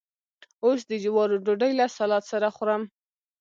اوس د جوارو ډوډۍ له سلاد سره خورم.